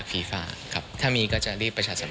ได้รับเอกสารยืนยันว่าจะเป็น